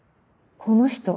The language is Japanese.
この人。